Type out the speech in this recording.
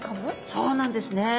そうなんですね。